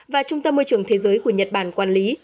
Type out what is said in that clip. và trung tâm môi trường thế giới của nhật bản quản lý